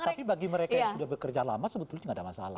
tapi bagi mereka yang sudah bekerja lama sebetulnya tidak ada masalah